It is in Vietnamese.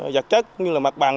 vật chất như là mặt bằng